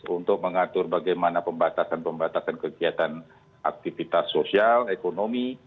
untuk mengatur bagaimana pembatasan pembatasan kegiatan aktivitas sosial ekonomi